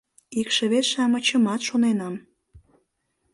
Икшывет-шамычымат шоненам.